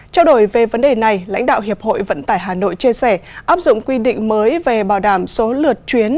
trao đổi về vấn đề này lãnh đạo hiệp hội vận tải hà nội chia sẻ áp dụng quy định mới về bảo đảm số lượt chuyến